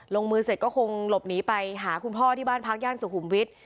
ลงมือเสร็จก็คงหลบหนีไปหาคุณพ่อที่บ้านพักย่านสุขุมวิทย์